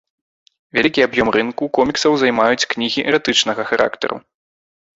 Вялікі аб'ем рынку коміксаў займаюць кнігі эратычнага характару.